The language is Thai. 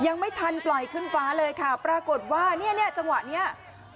ยังไม่ทันปล่อยขึ้นฟ้าเลยค่ะปรากฏว่าเนี่ยเนี่ยจังหวะเนี้ย